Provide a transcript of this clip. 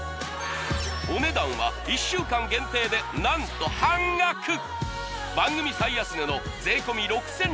お値段は１週間限定で何と半額番組最安値の税込６６００円